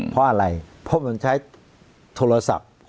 เพราะอะไรเพราะมันใช้โทรศัพท์